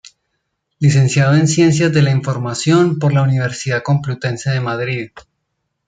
Licenciado en Ciencias de la Información por la Universidad Complutense de Madrid.